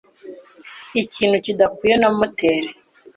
Ikintu kidakwiye na moteri.